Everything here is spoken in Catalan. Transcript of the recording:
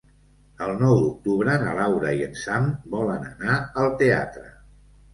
El nou d'octubre na Laura i en Sam volen anar al teatre.